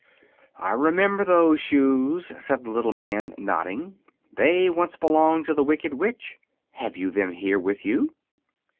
"I remember those shoes," said the little man, nodding. "They once belonged to the Wicked Witch. Have you them here with you?"